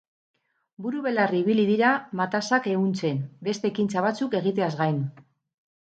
Buru belarri ibili dira matazak ehuntzen, beste ekintza batzuk egiteaz gain.